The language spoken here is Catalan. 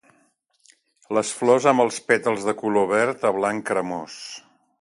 Les flors amb els pètals de color verd a blanc cremós.